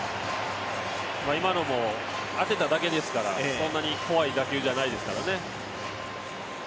今のも当てただけですからそんなに怖い打球じゃないですからね。